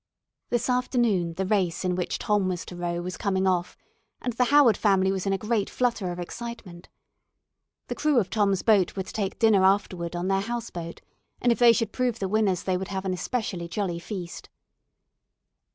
This afternoon the race in which Tom was to row was coming off, and the Howard family was in a great flutter of excitement. The crew of Tom's boat were to take dinner afterward on their house boat, and if they should prove the winners they would have an especially jolly feast.